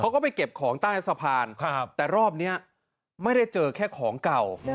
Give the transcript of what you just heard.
เขาก็ไปเก็บของใต้สะพานแต่รอบนี้ไม่ได้เจอแค่ของเก่า